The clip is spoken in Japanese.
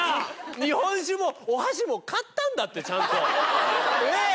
日本酒もお箸も買ったんだってちゃんと。ねぇ？